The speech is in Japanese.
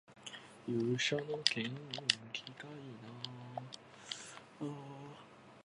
勇者の剣をぬきたい